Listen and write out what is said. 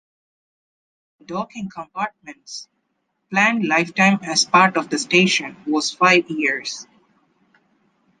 The docking compartment's planned lifetime as part of the station was five years.